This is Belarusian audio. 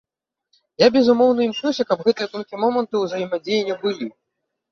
Я, безумоўна, імкнуся, каб гэтыя тонкія моманты ўзаемадзеяння былі.